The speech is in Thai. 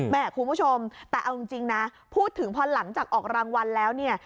คุณผู้ชมแต่เอาจริงนะพูดถึงพอหลังจากออกรางวัลแล้วเนี่ย